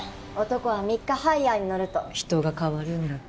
男は３日ハイヤーに乗ると人が変わるんだって。